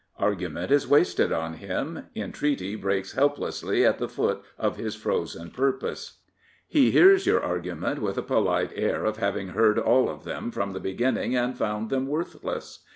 Argument is wasted on him, entreaty breaks helplessly at the foot of his frozen purpose. He hears your arguments with a polite air 2 $% Prophets, Priests, and Kings of having heard all of them from the beginning and found them worthless.